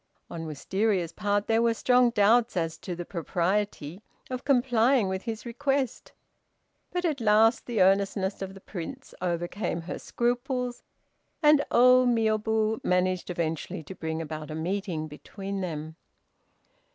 On Wistaria's part there were strong doubts as to the propriety of complying with his request, but at last the earnestness of the Prince overcame her scruples, and Ô Miôbu managed eventually to bring about a meeting between them.